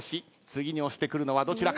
次に押してくるのはどちらか。